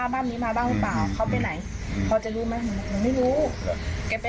ไม่เห็นไม่รู้ครับพี่